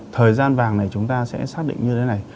thời gian vàng này chúng ta sẽ xác định như thế này